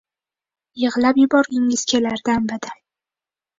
Yig‘lab yuborgingiz kelar dam-badam